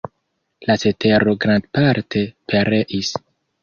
La cetero grandparte pereis.